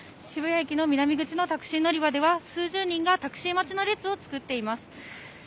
渋谷駅の南口のタクシー乗り場では数十人がタクシー待ちの列を作っています。